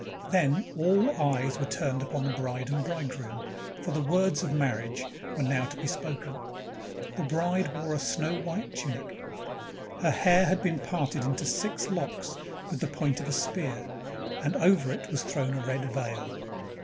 Then all eyes were turned upon the bride and bridegroom, for the words of marriage were now to be spoken. The bride wore a snow white tunic. Her hair had been parted into six locks with the point of a spear, and over it was thrown a red veil.